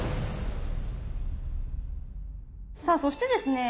さあそしてですね